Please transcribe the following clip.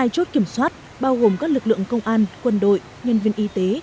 một mươi hai chốt kiểm soát bao gồm các lực lượng công an quân đội nhân viên y tế